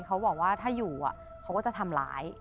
เขาบอกว่าถ้าอยู่เขาก็จะทำร้าย